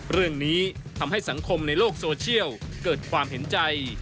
เรื่องนี้ทำให้สังคมในโลกโซเชียลเกิดความเห็นใจ